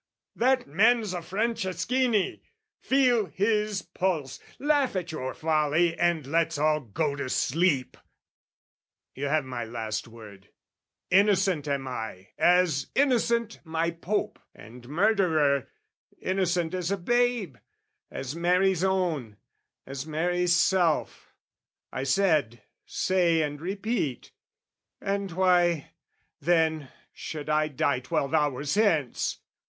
That man's a Franceschini; feel his pulse, Laugh at your folly, and let's all go sleep! You have my last word, innocent am I As Innocent my Pope and murderer, Innocent as a babe, as Mary's own, As Mary's self, I said, say and repeat, And why, then, should I die twelve hours hence?